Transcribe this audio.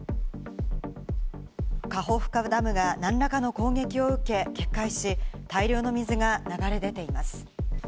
カホフカダムが何らかの攻撃を受け決壊し、大量の水が流れ出ています。